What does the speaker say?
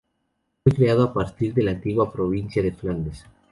Fue creado a partir de la antigua provincia de Flandes.